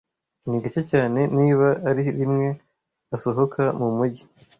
Ni gake cyane, niba ari rimwe, asohoka mu mujyi.